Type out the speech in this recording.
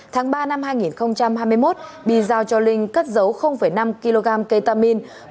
tháng ba năm hai nghìn hai mươi một bi giao cho linh cất dấu năm kg cây tamin